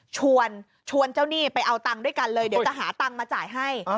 ชวนเจ้าหนี้ไปเอาตังค์ด้วยกันเลยเดี๋ยวจะหาตังค์มาจ่ายให้